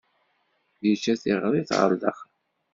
Yečča tiɣrit ɣer daxel.